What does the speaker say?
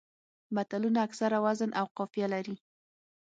متلونه اکثره وزن او قافیه لري